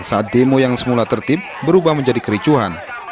saat demo yang semula tertib berubah menjadi kericuhan